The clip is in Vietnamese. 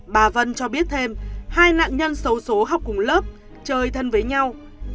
bà vân cho biết thêm hai nạn nhân xấu xố học cùng lớp chơi thân với nhau